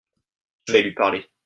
Je vais lui parler !